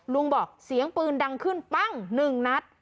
ลุงบอกเสียงปืนดังขึ้นปั้งหนึ่งนัด